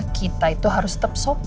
kita itu harus tepuk tangan sama om nino